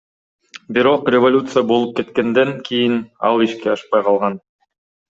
Бирок революция болуп кеткенден кийин ал ишке ашпай калган.